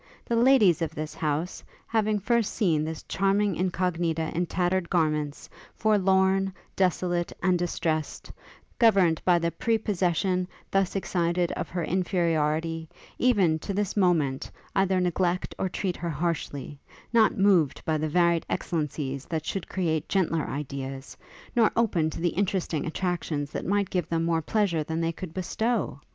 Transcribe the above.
The ladies of this house, having first seen this charming Incognita in tattered garments, forlorn, desolate, and distressed; governed by the prepossession thus excited of her inferiority, even, to this moment, either neglect or treat her harshly; not moved by the varied excellencies that should create gentler ideas, nor open to the interesting attractions that might give them more pleasure than they could bestow!